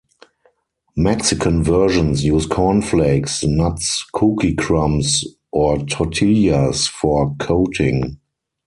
Mexican versions use corn flakes, nuts, cookie crumbs, or tortillas for coating.